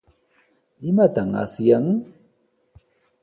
¿Imataq asyan?